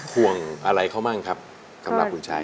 ห่วงอะไรเขาบ้างครับสำหรับคุณชาย